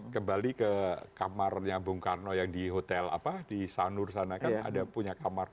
kembali ke kamarnya bung karno yang di hotel apa di sanur sana kan ada punya kamar